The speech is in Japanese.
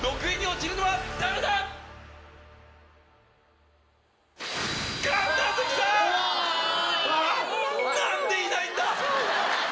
誰だ⁉何でいないんだ